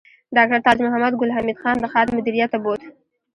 ډاکټر تاج محمد ګل حمید خان د خاد مدیریت ته بوت